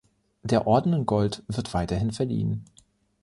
Der Orden in Gold wird weiterhin verliehen.